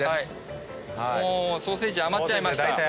ソーセージ余っちゃいました。